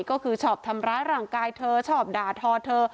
ก็คือชอบทำร้ายร่างกายเธอชอบด่าทอเธอ